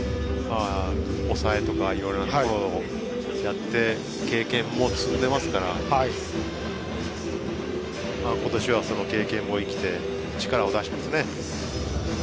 抑えとかいろいろなところをやって経験も積んでいますから今年はその経験も生きて力を出していますね。